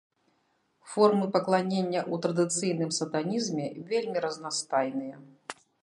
Формы пакланення ў традыцыйным сатанізме вельмі разнастайныя.